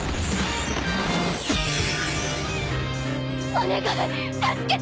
お願い助けて！